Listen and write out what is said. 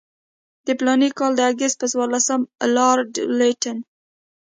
د فلاني کال د اګست پر څوارلسمه لارډ لیټن.